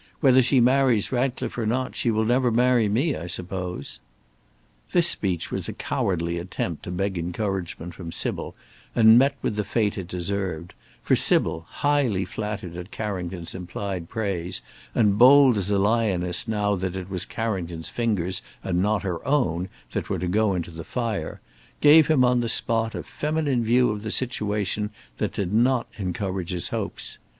Whether she marries Ratcliffe or not, she will never marry me, I suppose." This speech was a cowardly attempt to beg encouragement from Sybil, and met with the fate it deserved, for Sybil, highly flattered at Carrington's implied praise, and bold as a lioness now that it was Carrington's fingers, and not her own, that were to go into the fire, gave him on the spot a feminine view of the situation that did not encourage his hopes.